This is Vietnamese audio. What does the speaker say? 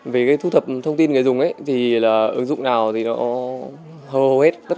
về thu thập thông tin người dùng ứng dụng nào thì hầu hết